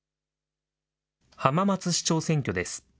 静岡市長選挙です。